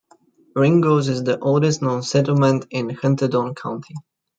Ringoes is the oldest known settlement in Hunterdon County.